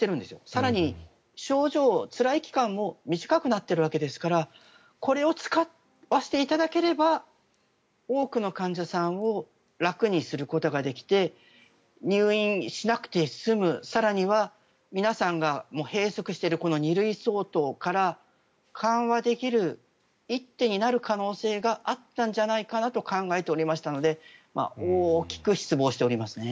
更に症状、つらい期間も短くなっているわけですからこれを使わせていただければ多くの患者さんを楽にすることができて入院しなくて済む更には皆さんが閉塞している２類相当から緩和できる一手になる可能性があったんじゃないかなと考えておりましたので大きく失望しております。